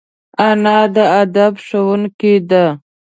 انا د ادب ښوونکې ده